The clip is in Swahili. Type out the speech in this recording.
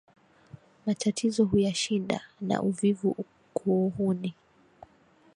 Matatizo huyashinda, na uvivu kuuhuni